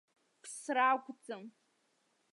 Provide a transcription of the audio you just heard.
Ԥсра ақәӡам.